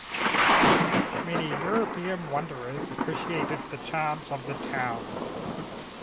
Many European wanderers appreciated the charms of the town.